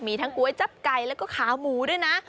มีทั้งก๋วยจับไก่แล้วก็ขาหมูด้วยนะ